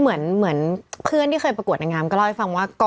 เหมือนเพื่อนที่เคยประกวดนางงามก็เล่าให้ฟังว่า